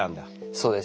そうです。